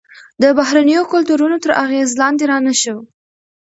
د بهرنیو کلتورونو تر اغیز لاندې رانه شو.